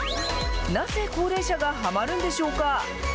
なぜ高齢者がはまるんでしょうか。